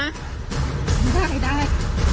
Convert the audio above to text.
ไม่ได้ไม่ได้